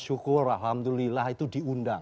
syukur alhamdulillah itu diundang